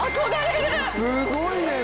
すごいね！